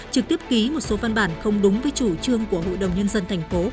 trực tiếp ký một số văn bản không đúng với chủ trương của hội đồng nhân dân tp